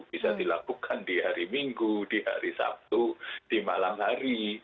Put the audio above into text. bisa dilakukan di hari minggu di hari sabtu di malam hari